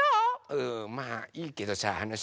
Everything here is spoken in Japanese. うんまあいいけどさあのさ。